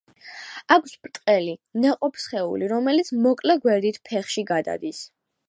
აქვს ბრტყელი ნაყოფსხეული, რომელიც მოკლე გვერდით ფეხში გადადის.